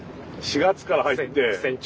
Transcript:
４月から入って。